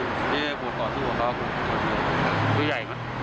นี่ไอ้บทกอศูนย์ของเขาคือส่วนใหญ่